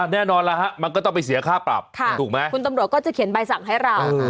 แน่นอนแล้วฮะมันก็ต้องไปเสียค่าปรับถูกไหมคุณตำรวจก็จะเขียนใบสั่งให้เรา